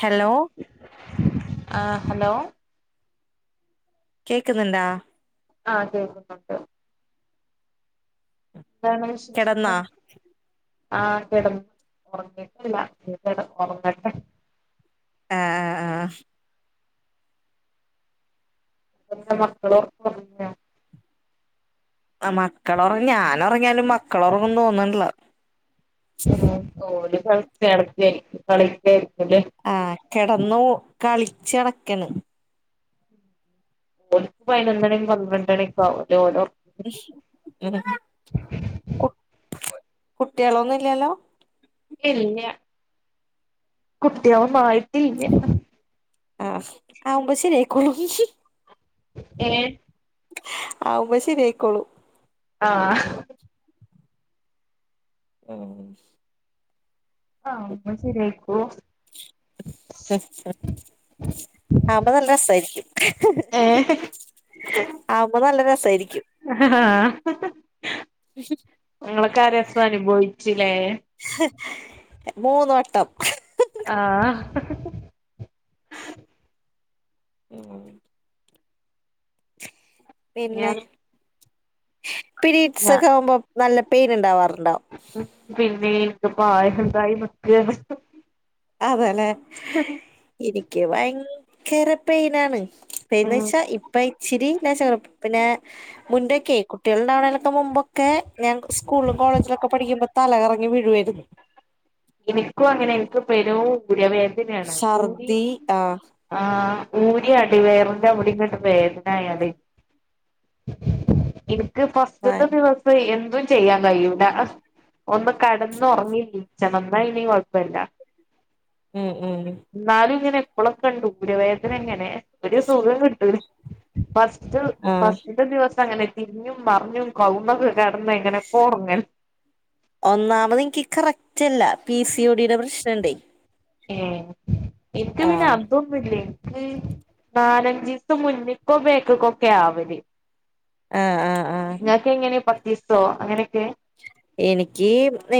Hello ആഹ് hello കേൾക്കുന്നുണ്ടാ ആഹ് കേൾക്കുന്നുണ്ട് എന്താണ് വിശേഷൊക്കെ കിടന്നാ ആഹ് കിടന്ന് ഉറങ്ങിട്ടില്ല കെടന്ന് ഉറങ്ങട്ടെ ആഹ് ആഹ് ആഹ് ഇങ്ങട്ട് മക്കളോക്ക ഉറങ്ങിയോ മക്കളോറങ്ങി ഞാനെ്റങ്ങിയാലും മക്കളുറങ്ങന്നും തോന്നണില്ല ഉം ഓര് കളിച്ച് നടക്കായിരിക്കും കളിക്കായിരിക്കുല്ലേ ആഹ് കിടന്നു കളിച്ചടക്കണ് ഓഹ് പതിനൊന്നണിയും പന്ത്രണ്ടണിയൊക്കെ ആവുലേ ഓല് കു കുട്ടികളൊന്നും ഇല്ലാലോ ഇല്ല കുട്ടിയോളൊന്നായിട്ടില്ല ആഹ് ആവുമ്പം ശരിയായിക്കോളും ഏഹ് ആവുമ്പം ശരിയായിക്കോളും ആഹ് ഉം ആവുമ്പം ശരിയായിക്കോളും ആപ്പം നല്ല രസായിരിക്കും ഏഹ് ആവ്മ്പോ നല്ല രസായിരിക്കും ആഹ് ഇങ്ങളോക്കെ ആ രസം അനുഭവിച്ചുലെ മൂന്ന് വട്ടം ആഹ് ഉം പിന്നെ ഞാൻ ഞാ പിരീഡ്സൊക്കെ ആകുമ്പോ നല്ല പെയിൻ ഇണ്ടാവാറ്ണ്ടോ പിന്നെ ൻക്ക്പ്പാ ആയി സുഖായി നിക്കാണ് അതെലെ ഇനിക്ക് ഭയങ്കര പെയ്നാണ് പെയ്ൻ ഉം വെച്ചാ ഇപ്പം ഇച്ചിരി ഞാൻ ചെർപ്പ പിന്നെ മുന്നൊക്കെയ് കുട്ടോള് ഇണ്ടാവ്ണെല് മുമ്പൊക്കെ ഞാൻ സ്കൂളും കോളേജിലൊക്കെ പഠിക്കുമ്പോ തലകറങ്ങി വീഴുവാര്ന്നു ഇൻക്കും അങ്ങനെ ഇൻക്ക് പെരൂ ഊരവേദനെണ് ഊരി ഛർദി ആഹ് ആഹ് ഊരി അടിവയറിന്റവടിം ഇങ്ങട്ട് വേദനായാല് ഇൻ ക്ക് ഭയ ഫസ്റ്റ്ത്തെ ദിവസം എന്തും ചെയ്യാൻ കയ്യൂല ഒന്ന് കടന്ന് ഒറങ്ങി ച്ചണം ന്നാ പിന്നീം കൊഴ്പ്പല്ലാ ഉം ഉം ന്നാലും ഇങ്ങനെ ഇപ്പളൊക്കെണ്ട് ഊരവേദന ഇങ്ങനെ ഒരു സുഖം കി ഉം ഫസ്റ്റ് ആഹ് ഫസ്റ്റ്ത്തെ ദിവസം അങ്ങനെ തിര്ഞ്ഞും മർഞ്ഞും കൗന്നൊക്കെ കടന്ന് എങ്ങനൊക്കെ ഒറങ്ങൽ ഒന്നാമത് ൻക്ക് കറക്റ്റ് അല്ല പി സി ഒ ഡി ടെ പ്രശ്നണ്ടേ ഏഹ് ഇൻക്ക് പിന്നെ ആഹ് അതും ന്നുല്ലാ ഇൻക്ക് നാലഞ്ചീസം മുന്ന്ക്കൊ ബേക്ക്ക്കൊക്കാ ആവല് ആഹ് ആഹ് ആഹ് ഇങ്ങക്ക് എങ്ങനെ പത്തിസോ അങ്ങനെക്കെ എനിക്ക്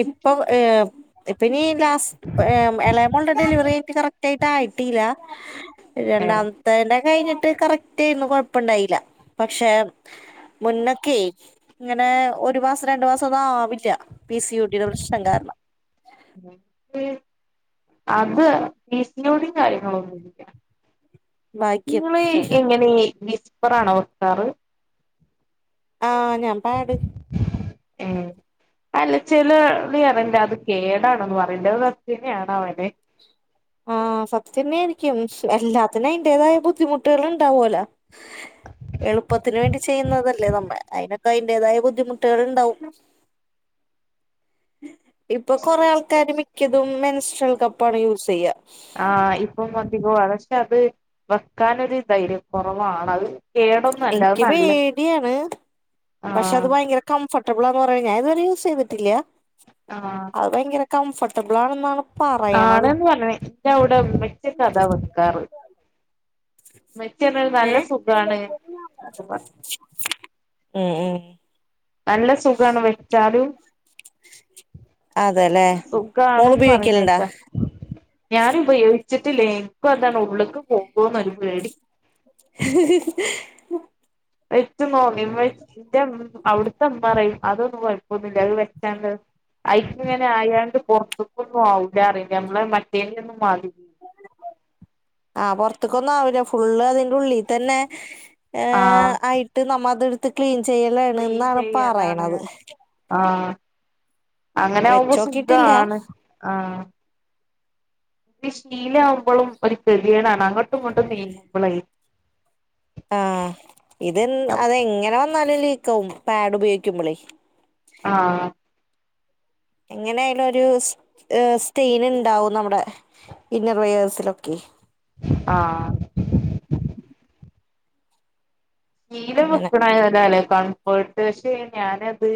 ഇപ്പൊ ഏഹ് ഇപ്പനീ ലാസ്റ്റ് എളയ മോൾടെ ഡെലിവറി കയിഞ്ഞ്ട്ട് കറക്റ്റ് ആയിട്ട് ആയിട്ടില്ല രണ്ടാ ഏഹ് മത്തേന്റെ കയ്ഞ്ഞിട്ട് കറക്റ്റേന്നൂ കൊഴപ്പണ്ടായിലാ പക്ഷെ മുന്നക്കെയ് ഇങ്ങനെ ഒരു മാസം രണ്ട് മാസ ന്നും ആവില്ല പി സി ഒ ഡി ടെ പ്രശ്നം കാര്ണം അത് പീ സി ഓ ഡിം കാര്യങ്ങളോന്നുല്ലാ ഭാഗ്യം ഇങ്ങള് എങ്ങനെ ഈ വിസ്പറാണോ വേക്കാറ് ആഹ് ഞാൻ പാഡ് ഏഹ് അല്ല ചെലോര് പറിണ്ട് അത് കേടാണെന്ന് പറീണ്ട് അത് സത്യന്നെ ആണാവലെ ആഹ് സത്യന്നെരിക്കും എല്ലാത്തിനും അയിന്റേതായ ബുദ്ധിമുട്ടെള് ഇണ്ടാവോലൊ എള്പ്പത്തിന് വേണ്ടി ചെയ്യ്ന്നതല്ലേ നമ്മ അയ്നൊക്കെ അയ്ന്റേതായ ബുദ്ധിമു ട്ടെള് ഇണ്ടാവും ഇപ്പ കൊറെ ആൾ ക്കാര് മിക്കതും മെൻസ്ട്രൽ കപ്പാണ് യൂസെയ്യാ ആഹ് ഇപ്പം അധികവും പക്ഷെ അത് വെക്കാനൊരു ധൈര്യ കൊറവാണത് ഇൻക്ക് പേടിയാണ് പക്ഷെ അത് ആഹ് ഭയങ്കര കംഫർട്ടബളാന്ന് പറയും ഞാൻ ഇത് വരെ യൂസ് ചെയ്തിട്ടില്ല ആഹ് അഹ് ഭയങ്കര കംഫർട്ടബളാണെന്നാണ് ആണന്ന് പറഞ്ഞ് ഇന്റെ അവടെ ഇമ്മച്ചി ഒക്കെ അതാ വെക്കാറ് ഇമ്മച്ചി പറഞ്ഞു ഏ നല്ല സുഖാണ് ഒക്കെ പർഞ്ഞു ഉം ഉം നല്ല സുഖാണ് വെച്ചാലും അതെലേ മോൾ ഉപയോഗിക്കല്ണ്ടോ? ഞാന് ഉപയോഗിച്ചിട്ടില്ല എൻക്ക്‌ എന്താണോ ഉള്ളുക്ക് പോകോന്നൊരു പേടി [unintelligible] എന്റെ ഇമ്മ അവിട്ത്തെ മ്മറിയും അതൊന്നും കൊഴപ്പന്നുല്ല അത് വെച്ചാണ്ട് അയ്ക്ക്‌ [unintelligible] ആയാണ്ട് പൊറത്ത്ക്കൊന്നും ആവൂല പറയും നമ്മളെ മറ്റേന്റെ ഒന്നും മാതിരി ആഹ് പൊറ്ത്ത്ക്കൊന്നും ആവൂല്ല ഫുള്ള് അതിന്റെ ഉള്ളി തന്നെ ആഹ് ആയിട്ട് നമ്മള് അത് ഇട് ത്ത് ക്ലീൻ ചെയ്യലാണ് ക്ലീൻ എന്നാണ് ചെയ്യലാണ് പറയ്ണത് ആഹ് അങ്ങനെവുമ്പോ വെച്ചോക്കിട്ടില്ല സുഖാണ് ആഹ് ഇ ശീല ആവുമ്പോ ഒരു കെദ്യാടാണ് അങ്ങോട്ടും ഇങ്ങോട്ടും നീങ്ങുമ്പളെ ആഹ് ഇത് അതങ്ങനെ വന്നാലും ലീക്കാവും പാഡ് ഉപയോഗിക്കുമ്പോളേ ആഹ് എങ്ങനെയാലും ഒരു സ്റ്റെൻ ഉണ്ടാവും നമ്മുടെ ഇന്നർ വെയയേഴ്സിലൊക്കെ ആഹ് ശീല അങ്ങനെ വെക്ക്ണായതല്ലേ കൺഫേർട്ട് പക്ഷെ ഞാനത്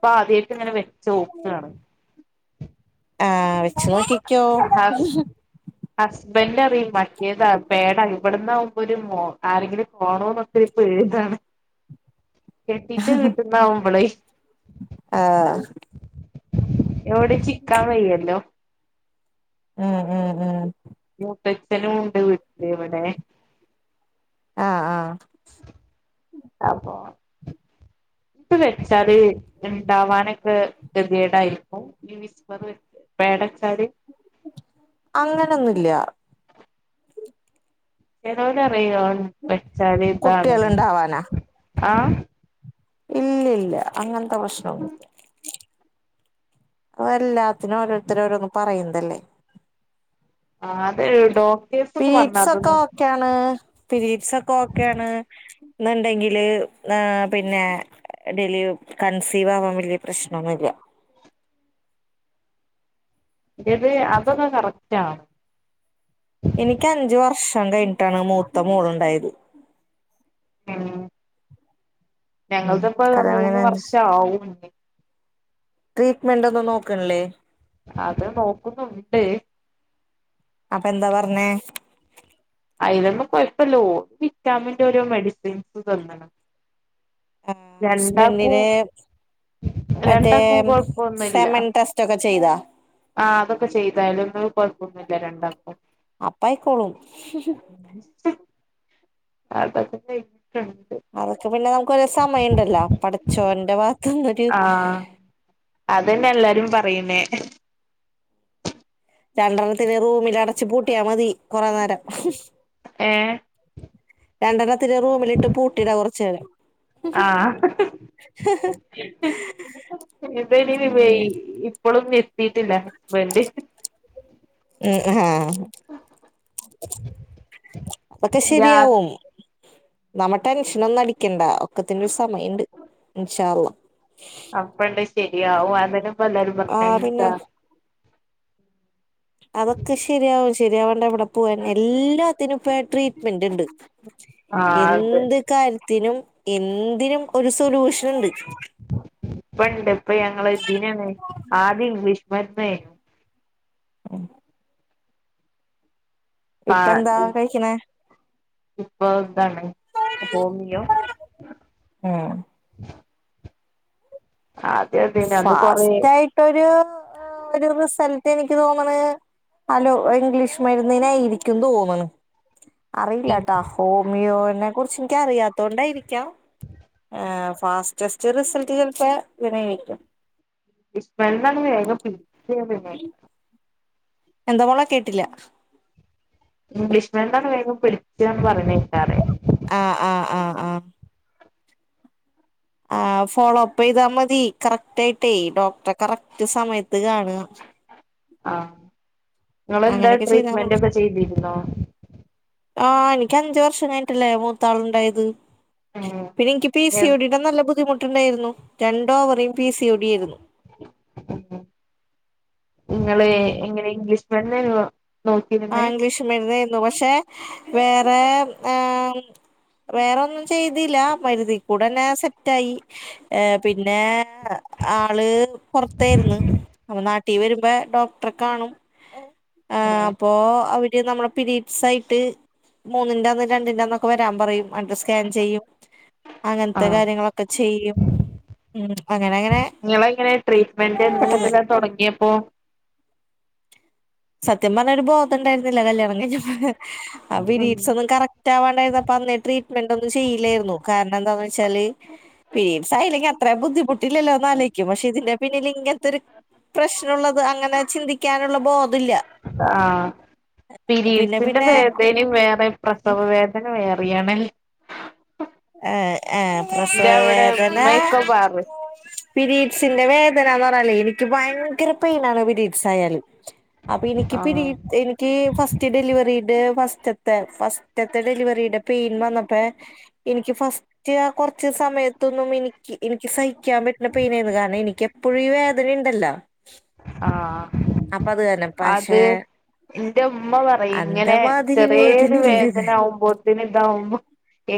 പ്പ ആദ്യയിട്ട് ഇങ്ങനെ വെച്ചോക്കാണ്. ആഹ് വെച്ച് നോക്കിക്കോ ഹസ് ഹസ്ബൻഡ് അറിയും മറ്റേതാ പേടാ ഇവട്ന്ന് ആകുമ്പോ ഒരു മോ ആരെങ്കിലും കാണോന്നോക്കെ ഒരു പേ ഇതാണ് കെട്ടീച്ച വീട്ട്ന്നാവുമ്പളേ ആഹ് എവിടിം ചിക്കാ വയ്യല്ലോ ഉം ഉം ഉം മൂത്തച്ചനുണ്ട് വീട്ട്ല് വടെ ആഹ് ആഹ് അപ്പോ വെച്ചാല് ഉണ്ടാവാനൊക്കെ കെതേടായിരിക്കും പേടച്ചാല് അങ്ങനൊന്നുല്ല ചേലോലറി വെച്ചാല് ഇതാണ് കുട്ടികളുണ്ടാവാനാ ആഹ് ഇല്ല ഇല്ല അങ്ങനത്തെ പ്രശ്ന ഒന്നുല്ല അത്‌ എല്ലാത്തിനും ഓരോരുത്തര്ഓരോന്ന് പറയുന്നതല്ലേ ആഹ് അത് ഡോക്ടേഴ്സൊക്കെ പറഞ്ഞ അതൊന്നും ക്കാണ് പരീപ്സ്ഒക്കെ ഒക്കെയാണ് ഇന്നുണ്ടെങ്കില് പിന്നെ ഡെലി കൺസീവ് ആവാൻ വല്യ പ്രശ്നൊന്നുല്ല ഇന്റേത് അതൊക്കെ കറക്റ്റ് ആവും എനിക്ക് അഞ്ച് വർഷം കഴിഞ്ഞിട്ടാണ് മൂത്ത മോളുണ്ടായത് ഉം ഉം ഞങ്ങൾത്പ്പ കല്യാണം മൂന്ന് കഴിഞ്ഞ് വർഷ ആവും ട്രീറ്റ്മെന്റ് ഒന്നും നോക്ക്ണില്ലേ അത് നോക്കുന്നുണ്ട് അപ്പ എന്താ പറഞ്ഞേ അയിലൊന്നു കൊഴപ്പല്ല ഓ വിറ്റാമിന്റെ ഓരോ മെഡിസിൻസ് തന്ന്ണ് ആഹ് രണ്ടാക്കും ഹസ്ബൻഡിന് മറ്റേ രണ്ടാക്കും കൊഴപ്പൊന്നുല്ല സെമൻ ടെസ്റ്റ് ഒക്കെ ചെയ്താ ആഹ് അതൊക്കെ ചെയ്താലുംഒന്നും കൊഴപ്പൊന്നുല്ല രണ്ടാക്കും അപ്പായിക്കോളും [unintelligible] അതൊക്കെ പിന്നെ നമുക്ക് ഒരെ സമയംഉണ്ടല്ലോ പടച്ചോന്റെ ഭാത്ത് ആഹ് അതന്നെ എല്ലാരും പറയുന്നേ രണ്ടെണ്ണത്തിനെ റൂമിൽ അടച്ച് പൂട്ടിയാ മതി കുറെ നേരം ഏഹ് രണ്ടെണ്ണത്തിനെ റൂമിലിട്ട് പൂട്ടിടാ കുറച്ചു നേരം ആഹ് ഉം [unintelligible] ഇപ്പോലും നിത്തിട്ടില്ല ഹസ്ബന്റ് ഉം ആഹ് രാ അത്ശരിയാവും നമ്മ ടെൻഷന ഒന്നും അടിക്കണ്ട ഒക്കത്തിന്റെ ഒരു സമയുണ്ട് ഇൻഷാ അള്ളാ അപ്പണ്ട് ശെരിയാവോ അതെന്നെ ഇപ്പൊ എല്ലരും പറഞ്ഞെ ആഹ് പിന്നെ അതിനെന്താ അതൊക്കെ ശെരിയാവും ശരിയാവേണ്ട എവിടെ പോവാന എല്ലാം എന്തിന് ഇപ്പേ ട്രീറ്റ്മെന്റ് ഇണ്ട് ആ അതെ എന്തി കാര്യത്തിനും എന്തിനും ഒരു സൊല്യൂഷൻ ഇണ്ട് ഇപ്പ ഇണ്ട് ഇപ്പ ഞങ്ങള് ഇന്തിന ആദ്യം ഇംഗ്ലീഷ് മരന്ന് ആഹ് പ്പാ ഇപ്പ എന്താ കഴിക്കണേ ഇപ്പൊ എന്താണ് ഹോമിയോ ഉം ആദ്യം അതേനു അന്ന് കൊറേ ഫാസ്റ്റ് ആയിട്ടൊരു ഒരു റിസൾട്ട് എനിക്ക് തോന്നണ് ഹലോ ഇംഗ്ലീഷ് മരുന്നിനെ ഇരിക്കും തോന്ന്ണ് അറിയില്ല ട്ടാ ഹോമിയോനെ കുറിച്ച് എനിക്ക അറിയാത്തോ കൊണ്ടായിരിക്കാം ഏഹ് ഫാസ്റ്റ് ടെസ്റ്റ് റിസൾട്ട് ചിലപ്പോ ഇതിനെ ആയിരിക്കും സ്മെല്ല് അത് വേഗം എന്താ മോളെ കേട്ടില്ല ഇംഗ്ലീഷ് മരുന്നാണ് വേഗം പിഠിക്കാന്ന് പറയുന്നകേക്കാ ആ ആ ആ ആ ആഹ് ഫോളോപ്പ് ചെയ്താ മതി കറക്റ്റ് ആയിട്ടേ ഡോക്ടറെ കറക്റ്റ് സമയത്ത് കാണുക ആഹ് നിങ്ങളെന്താ അങ്ങനെയൊക്കെ ചെയ്താ മതി ട്രീറ്റ്മെന്റ് ഒക്കെ ചെയ്തിരുന്നോ ആഹ് എനിക്ക് അഞ്ച് വർഷം കഴിഞ്ഞിട്ടല്ലേ മൂത്താളുണ്ടായത് ഉം പിന്നെ എനിക്ക് പി സി ഞാൻ ഒ ടി ടെനല്ല ബുദ്ധിമുട്ടുണ്ടായിരുന്നു രണ്ടോവറിയും നിങ്ങള് ഉം എങ്ങനെ ഇംഗ്ലീഷ് വെണ്ണേലുവ ആഹ് ഇംഗ്ലീഷ് മരുന്നെരുന്നു പക്ഷെ വേറെ ആഹ് വേറെൊന്നും ചെയ്തില്ല മരുതി കൂടെന്നെ സെറ്റായി ഏഹ് പിന്നെ ആള് പുറത്തായിരുന്നു. നമ്മ നാട്ടിവരുമ്പോ ഡോക്ടറെ കാണും. ആഹ് [unintelligible] അപ്പോ അവര് നമ്മടെ പിരീഡ്സ് ആയിട്ട് മൂന്നിന്റെന്ന് രണ്ടിന്റെന്നൊക്കെ വരാൻ പറയും. അണ്ഡം സ്കാൻ ചെയ്യും അങ്ങനത്തെ കാര്യങ്ങളൊക്കെ ചെയ്യും. ഉം അങ്ങനെ അങ്ങനെ നിങ്ങളഎങ്ങനെ ട്രീറ്റ്മെന്റ് എന്ന് പെട്ടെന്ന് മുതല തുടങ്ങിയപ്പോ സത്യം പറഞ്ഞഒരു ബോധം ഉണ്ടായിരുന്നില്ല കല്യാണം കഴിഞ്ഞപ്പൊ ആ ഉം പീരീഡ്സ് ഒന്നും കറ റ്റാ ആവാണ്ടായിരുന്നപ്പ അന്ന് ട്രീറ്റ്മെന്റ് ഒന്നും ചെയ്ല്ലായിരുന്നു കാരണം എന്താന്ന് വെച്ചാല് പീരീഡ്സ് ആയിലെങ്കി അത്ര ബുദ്ധിമുട്ടില്ലല്ലോന്ന് ആലോയിക്കും പക്ഷെ ഇതിന്റെ പിന്നിൽ ഇങ്ങനത്തൊരു പ്രശ്നഉള്ളത് അങ്ങനെ ചിന്തിക്കാനുള്ള ബോധല്ല ആന് പരീഡ്സിന്റെ പിന്നെ വേദനയും വേറെ പ്രസവ വേദ ന അങ്ങനെ വേറിയണേ ഏഹ് ആഹ് പ്രസവവേദന ഉമ്മയൊക്കെ പറ പിരീഡ്സിന്റെ വേദന എന്ന് പറഞ്ഞാല്ലേ എനിക്ക് ഭയങ്കര പെയിൻനാണ് പിരീഡ്സ് ആയാല് അപ്പൊ എനിക്ക് പിരി ആഹ് എനിക്ക് ഫസ്റ്റ് ഡെലിവറിടെ ഫസ്റ്റത്തെ ഫസ്റ്റത്തെ ഡെലിവറിടെ പെയിൻ വന്നപ്പ എനിക്ക് ഫസ്റ്റ് ആ കൊറച്ച് സമയത്തൊന്നും എനിക്ക് എനിക്ക് സഹിക്കാൻ പറ്റുന്ന പെയിനന്ന് കാരണം എനിക്ക എപ്പോഴും ഈ വേദനയണ്ടല്ലോ ആഹ് കാരണം പക്ഷെ അത് എന്റെ ഉമ്മ പറയും ഇങ്ങനെ അന്തമാതിരി വേദന ചെറിയൊരു ഇല്ലത് വേദന ആകുമ്പോ ഇതിന് ഇതാവുമ്പോ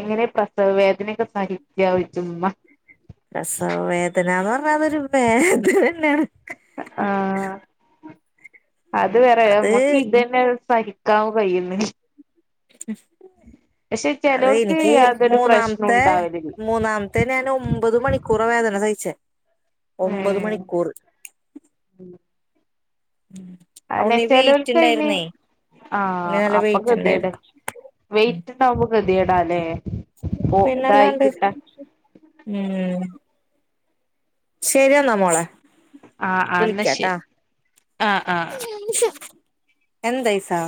എങ്ങനെ പ്രസവ വേദനയൊക്കെ സഹിക്ക യോച്ചുമ്മ പ്രസവ വേദന എന്ന് പറഞ്ഞ അതൊരു വേദന തന്നെയാണ് ആഹ് അത് വേറെ അത് നമ്മക്ക് ഇതന്നെ സഹിക്കാൻ കഴിയന്ന് പക്ഷെ അത് ചിലവർക്ക് എനിക്ക് യാതൊരു പ്രശ്നം ഉണ്ടാവില്ലില്ല മറ്റേ ഞാൻ ഒമ്പത് മണിക്കൂർ വേദന സഹിച്ചേ ഒമ്പത് മണിക്കൂർ ഉം ഉം അതന്നെ ചേലോൽകാനു ഇന്ന് ആഹ് നല്ല അപ്പോ വെയിറ്റ് ഗതിടന്നേ ഉണ്ടായിരുന്നു വെയിറ്റ് ഇണ്ടാവുമ്പോ ഗതിടലെ പിന്നെല്ലാണ്ട് ഉം ശരിയാന്നാമ്മോളെ ആഹ് ആഹ് എന്നാ വിളിക്കാട്ടാ ശരി ആഹ് ആഹ് എന്തസാ-